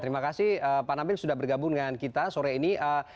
terima kasih pak nabil sudah bergabung dengan kita sore ini